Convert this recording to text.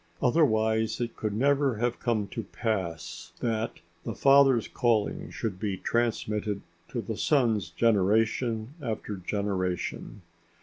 Otherwise it could never have come to pass that the father's calling should be transmitted to the sons generation after generation.